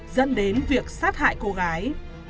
dẫn đến việc sát hại cô gái